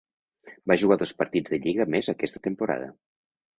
Va jugar dos partits de lliga més aquesta temporada.